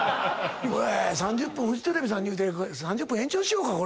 フジテレビさんに言うて３０分延長しようか。